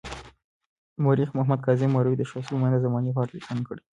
مورخ محمد کاظم مروي د شاه سلیمان د زمانې په اړه لیکنه کړې.